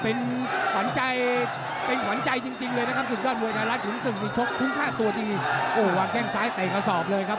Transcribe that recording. โอ้วววววาเก้งซ้ายเตะกระสอบเลยครับ